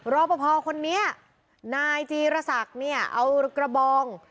รอปภคนนี้นายจีรศักดิ์เนี่ยเอากระบอง